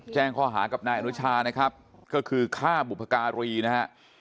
แจ้งข้อหากับนายอนุชานะครับก็คือฆ่าบุพการีนะฮะ